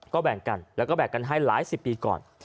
ก็แบ่งกันแล้วก็แบ่งกันให้หลายสิบปีก่อน